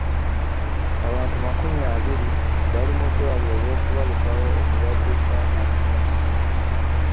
Abantu makumi abiri bali mu ddwaliro olw'okubalukawo kw'ekirwadde kya namusuna.